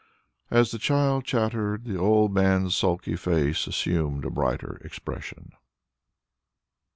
As the child chattered, the old man's sulky face assumed a brighter expression.